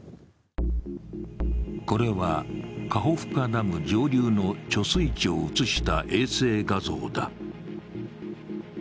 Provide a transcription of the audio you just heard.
これはカホフカダム上流の貯水池を写した衛星画像だ。